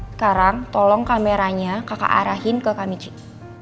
sekarang tolong kameranya kakak arahin ke kami check